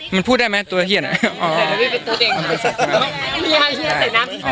มันพูดได้มั้ยตัวเหี้ยหน่อย